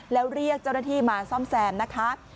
แล้วเรียกเจ้าหน้าที่มาซ่อมแซมนะคะ